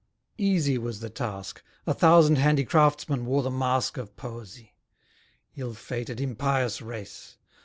Easy was the task: A thousand handicraftsmen wore the mask Of Poesy. Ill fated, impious race!